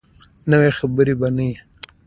نوي خبرې به نه وي.